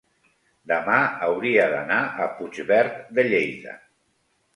demà hauria d'anar a Puigverd de Lleida.